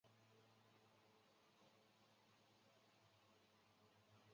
电磁辐射的频率与观察者的参考系有关。